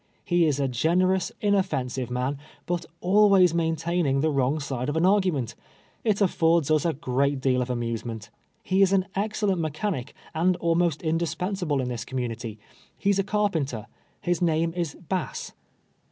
lie is a generous, inoffensive man, but always maintaining the wrong side of an aro ument. It affords us a deal of amusement. He is an excellent mechanic, and almost indispensable in this community. He is a carpenter. His name is Bass."